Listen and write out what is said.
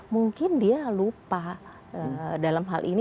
mungkin dia lupa dalam hal ini